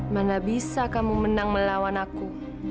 mana bisa kamu menang melawan aku